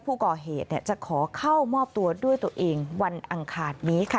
ผู้ก่อเหตุจะขอเข้ามอบตัวด้วยตัวเองวันอังคารนี้ค่ะ